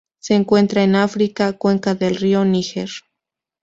Se encuentran en África: cuenca del río Níger.